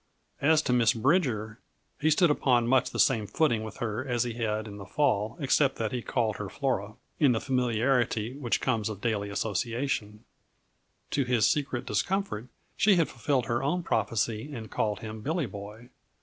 As to Miss Bridger, he stood upon much the same footing with her as he had in the fall, except that he called her Flora, in the familiarity which comes of daily association; to his secret discomfort she had fulfilled her own prophecy and called him Billy Boy.